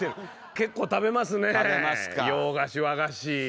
結構食べますね洋菓子和菓子。